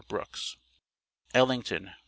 Brooks: ELLINGTON, Nov.